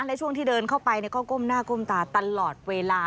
และช่วงที่เดินเข้าไปก็ก้มหน้าก้มตาตลอดเวลา